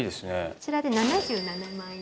こちらで７７万円